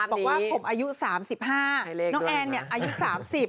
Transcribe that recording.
บอกว่าผมอายุ๓๕น้องแอนอายุ๓๐